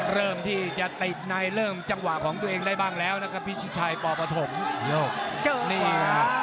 เริ่มที่จะติดในเริ่มจังหวะของตัวเองได้บ้างแล้วพี่ชิดชัยปอบอดภง